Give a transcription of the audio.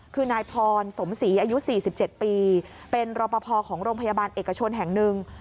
คือนายพรสมศรีอายุ๔๗ปีเป็นรอปภของโรงพยาบาลเอกชนแห่งหนึ่ง